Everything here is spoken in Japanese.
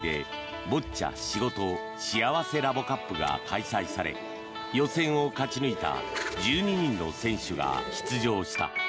今月２日、東京都内でボッチャしごと・しあわせラボカップが開催され予選を勝ち抜いた１２人の選手が出場した。